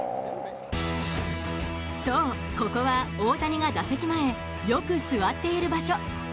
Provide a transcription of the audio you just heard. そう、ここは大谷が打席前よく座っている場所。